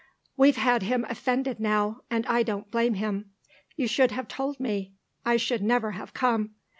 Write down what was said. "We've had him offended now, and I don't blame him. You should have told me. I should never have come.